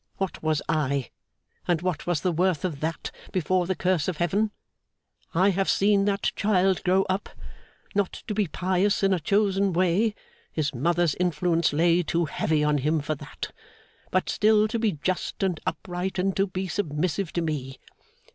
What was I, and what was the worth of that, before the curse of Heaven! I have seen that child grow up; not to be pious in a chosen way (his mother's influence lay too heavy on him for that), but still to be just and upright, and to be submissive to me.